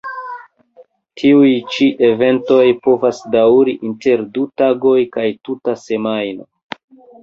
Tiuj ĉi eventoj povas daŭri inter du tagoj kaj tuta semajno.